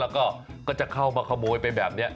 แล้วก็จะเข้ามาขโมยไปแบบนี้